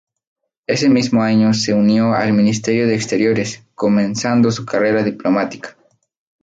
Ese mismo año se unió al Ministerio de Exteriores, comenzando su carrera diplomática.